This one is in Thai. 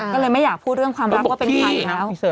ก็เลยไม่อยากพูดเรื่องความรักว่าเป็นใครแล้ว